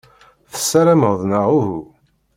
Tessarameḍ, neɣ uhu?